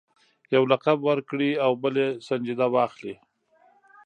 یو لقب ورکړي او بل یې سنجیده واخلي.